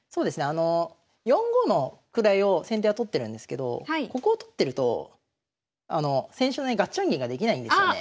あの４五の位を先手は取ってるんですけどここを取ってると先週のねガッチャン銀ができないんですよね。